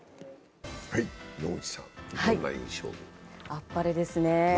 あっぱれですね。